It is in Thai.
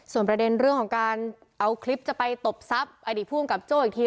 ส่วนประเด็นเรื่องของการเอาคลิปจะไปตบทรัพย์อดีตภูมิกับโจ้อีกที